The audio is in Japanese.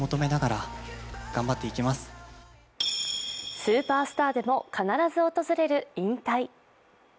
スーパースターでも必ず訪れる引退。